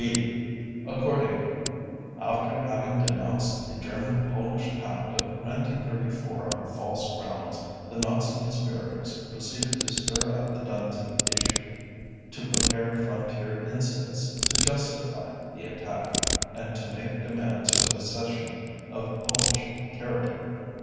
(b) Accordingly, after having denounced the German Polish Pact of 1934 on false grounds, the Nazi conspirators proceeded to stir up the Danzig issue, to prepare frontier "incidents" to "justify" the attack, and to make demands for the cession of Polish territory.